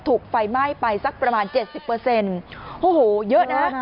ถูกไฟไหม้ไปสักประมาณเจ็ดสิบเปอร์เซ็นต์โอ้โหเยอะนะ